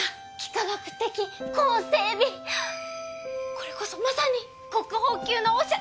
これこそまさに国宝級のおしゃ。